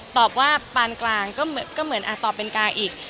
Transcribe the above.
ตอบว่าปานกลางก็เหมือนตอบเป็นกลางอีก